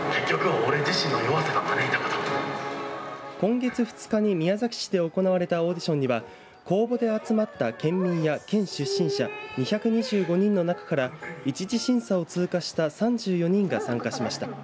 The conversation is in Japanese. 今月２日に宮崎市で行われたオーディションには公募で集まった県民や県出身者２２５人の中から一次審査を通過した３４人が参加しました。